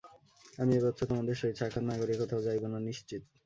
আমি এ বৎসর তোমাদের সহিত সাক্ষাৎ না করিয়া কোথাও যাইব না নিশ্চিত।